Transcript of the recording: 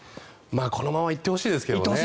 このまま行ってほしいですけどね。